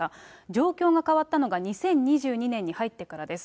状況が変わったのが２０２２年に入ってからです。